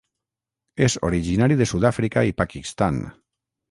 És originari de Sud-àfrica i Pakistan.